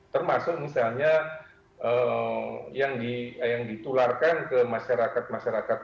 termasuk misalnya yang ditularkan ke masyarakat masyarakat